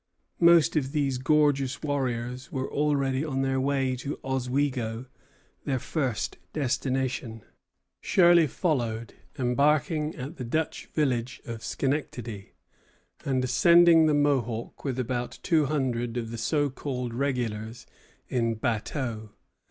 Most of these gorgeous warriors were already on their way to Oswego, their first destination. James Gray to John Gray, 11 July, 1755. Shirley followed, embarking at the Dutch village of Schenectady, and ascending the Mohawk with about two hundred of the so called regulars in bateaux.